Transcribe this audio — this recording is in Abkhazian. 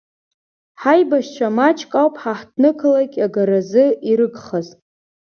Ҳаибашьцәа маҷӡак ауп ҳаҳҭнықалақь агаразы ирыгхаз.